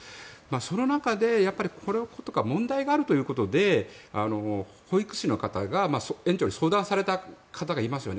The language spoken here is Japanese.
その中で、このことが問題があるということで保育士の方が園長に相談された方がいますよね。